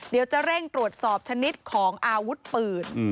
เดี๋ยวจะเร่งตรวจสอบชนิดของอาวุธปืน